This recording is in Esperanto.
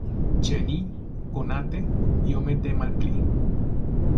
Ĉe ni, konate, iomete malpli.